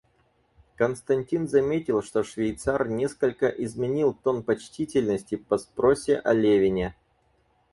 Константин заметил, что швейцар несколько изменил тон почтительности по спросе о Левине.